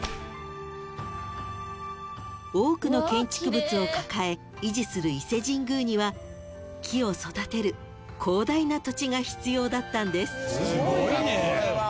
［多くの建築物を抱え維持する伊勢神宮には木を育てる広大な土地が必要だったんです］